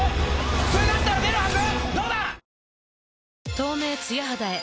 普通だったら出るはず！